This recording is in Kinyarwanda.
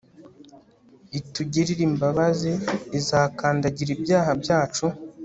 itugirire imbabazi izakandagira ibyaha byacu